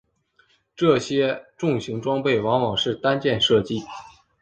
这些重型装备往往是单件设计。